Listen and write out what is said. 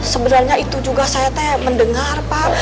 sebenarnya itu juga saya mendengar pak